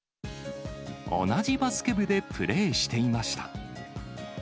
同じバスケ部でプレーしていました。